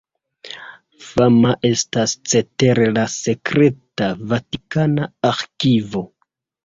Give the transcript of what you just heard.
Fama estas cetere la sekreta vatikana arĥivo.